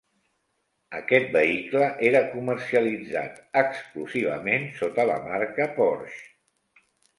Aquest vehicle era comercialitzat exclusivament sota la marca Porsche.